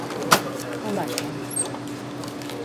Com va això?